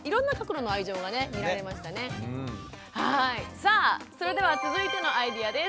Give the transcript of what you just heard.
さあそれでは続いてのアイデアです。